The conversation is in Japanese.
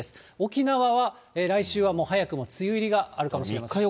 沖縄は来週はもう早くも梅雨入りがあるかもしれません。